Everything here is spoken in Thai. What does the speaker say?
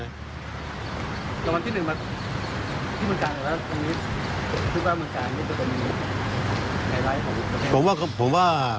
ตอนที่หนึ่งมันที่เมืองกาลอยู่แล้วตรงนี้คิดว่าเมืองกาลมันจะมีใครไว้ของประชาชนด้วยนะครับ